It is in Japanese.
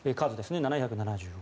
７７５。